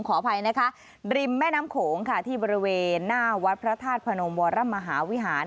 ขออภัยนะคะริมแม่น้ำโขงค่ะที่บริเวณหน้าวัดพระธาตุพนมวรมหาวิหาร